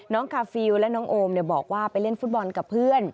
คาฟิลและน้องโอมบอกว่าไปเล่นฟุตบอลกับเพื่อน